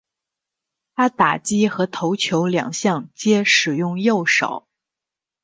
他打击和投球两项皆使用右手。